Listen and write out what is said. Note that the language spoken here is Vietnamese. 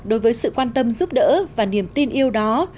đối với sự quan tâm giúp đỡ và niềm tin yêu đó